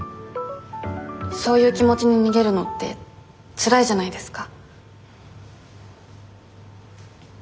そういう気持ちに逃げるのってつらいじゃないですか。